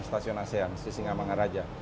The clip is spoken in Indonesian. stasiun asean di singa manggaraja